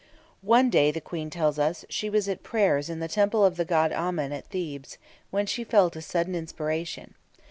One day, the Queen tells us, she was at prayers in the temple of the god Amen at Thebes, when she felt a sudden inspiration.